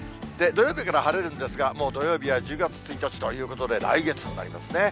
土曜日から晴れるんですが、もう土曜日は１０月１日ということで、来月となりますね。